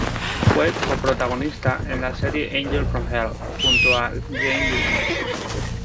Fue coprotagonista en la serie Angel From Hell junto a Jane Lynch.